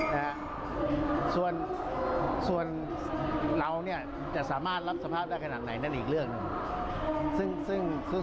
แต่ส่วนเราเนี่ยจะสามารถรับสภาพได้ขนาดไหนนั่นอีกเรื่องนึง